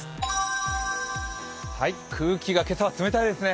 空気が今朝は冷たいですね。